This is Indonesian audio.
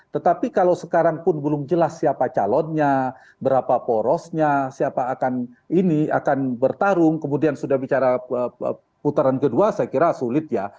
tetapi kalau sekarang pun belum jelas siapa calonnya berapa porosnya siapa akan ini akan bertarung kemudian sudah bicara putaran kedua saya kira sulit ya